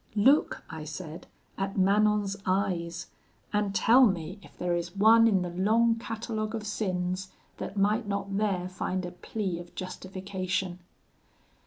'Look,' I said, 'at Manon's eyes, and tell me if there is one in the long catalogue of sins that might not there find a plea of justification.'